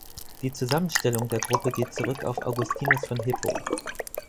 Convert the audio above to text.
Die Zusammenstellung der Gruppe geht zurück auf Augustinus von Hippo.